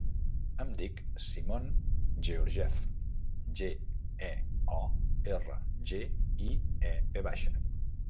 Em dic Simon Georgiev: ge, e, o, erra, ge, i, e, ve baixa.